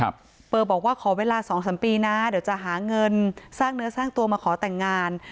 เบอร์บอกว่าขอเวลาสองสามปีนะเดี๋ยวจะหาเงินสร้างเนื้อสร้างตัวมาขอแต่งงาน